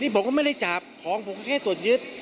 นี่ผมก็ไม่ได้จับของผมก็แค่ตรวจยึด